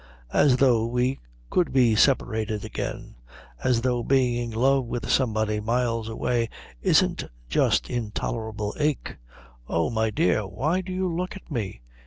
"As though we could be separated again. As though being in love with somebody miles away isn't just intolerable ache. Oh, my dear, why do you look at me?"